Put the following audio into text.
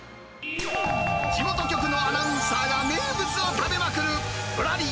地元局のアナウンサーが名物を食べまくる、ぶらり！